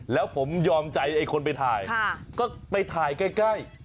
แล้วผมยอมใจไอ้คนไปถ่ายก็ไปถ่ายใกล้